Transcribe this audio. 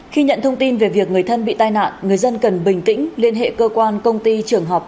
khi nhận thông tin về việc người thân bị tai nạn người dân cần bình tĩnh liên hệ cơ quan công ty trường học